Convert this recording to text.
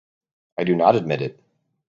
I do not admit it.